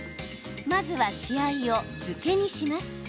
まずは血合いを漬けにします。